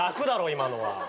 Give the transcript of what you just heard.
今のは。